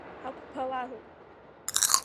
Ҳақәԥалароуп.